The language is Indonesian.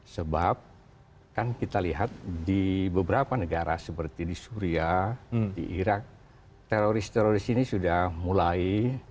sebab kan kita lihat di beberapa negara seperti di syria di irak teroris teroris ini sudah mulai